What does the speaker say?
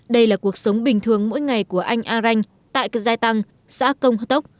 đây là cuộc sống bình thường mỗi ngày của anh a ranh tại giai tăng xã công hớ tốc